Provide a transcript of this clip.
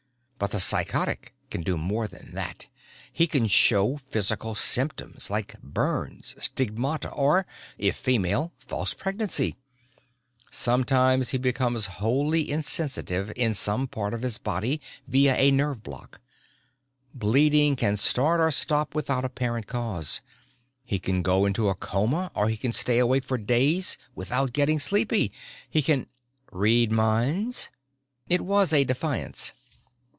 But the psychotic can do more than that. He can show physical symptoms like burns, stigmata or if female false pregnancy. Sometimes he becomes wholly insensitive in some part of his body via a nerve bloc. Bleeding can start or stop without apparent cause. He can go into a coma or he can stay awake for days without getting sleepy. He can " "Read minds?" It was a defiance.